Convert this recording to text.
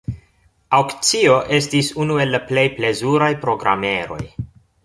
Aŭkcio estis unu el la plej plezuraj programeroj.